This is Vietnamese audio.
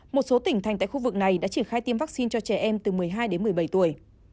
một số tỉnh thành tại khu vực này đã triển khai tiêm vaccine cho trẻ em từ một mươi hai đến một mươi bảy tuổi